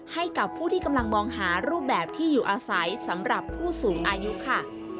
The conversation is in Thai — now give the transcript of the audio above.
ให้กับผู้ที่กำลังมองหารูปแบบที่อยู่อาศัยสำหรับผู้สูงอายุค่ะ